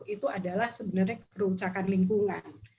itu adalah sebenarnya kerusakan lingkungan